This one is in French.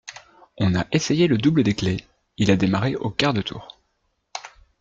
On a essayé le double des clés, il a démarré au quart de tour.